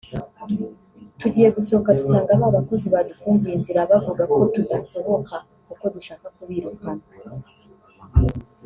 tugiye gusohoka dusanga ba bakozi badufungiye inzira bavuga ko tudasohoka kuko dushaka kubirukana